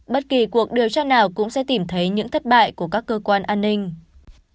bất kỳ cuộc điều tra nào cũng sẽ tìm thấy những thất bại của các cơ quan an ninh